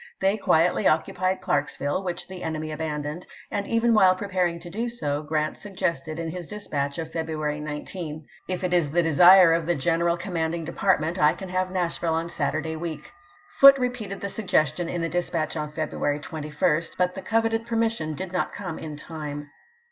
They quietly occupied Clarksville, which the enemy abandoned ; and even while preparing to do so, Grant suggested to cutbmi, i^ ^is dispatch of February 19, " K it is the desire w,2!''\\\. of the general commanding department, I can have ^p.'637.' ' Nashville on Saturday week." Foote repeated the suggestion in a dispatch of February 21, but the coveted permission did not come in time.